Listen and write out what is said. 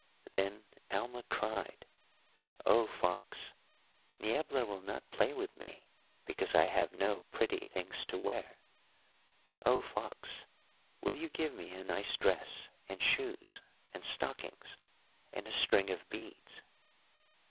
"Then Alma cried, 'Oh, Fox, Niebla will not play with me because I have no pretty things to wear. Oh, Fox, will you give me a nice dress and shoes and stockings and a string of beads?'